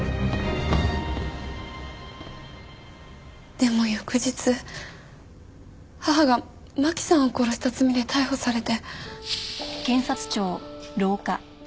でも翌日母が真輝さんを殺した罪で逮捕されて。